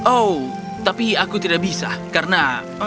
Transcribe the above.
oh tapi aku tidak bisa karena